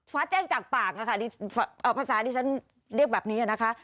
แจ้งจากปากอะค่ะภาษาที่ฉันเรียกแบบนี้นะคะ